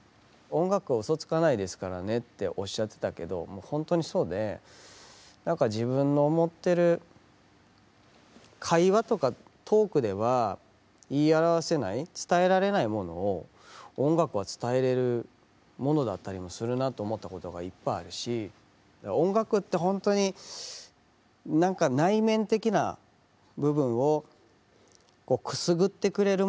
「音楽は嘘つかないですからね」っておっしゃってたけどほんとにそうで何か自分の思ってる会話とかトークでは言い表せない伝えられないものを音楽は伝えれるものだったりもするなと思ったことがいっぱいあるし音楽ってほんとに何か内面的な部分をくすぐってくれるもの。